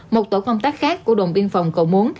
một tổ công tác khác của đồn biên phòng cầu muốn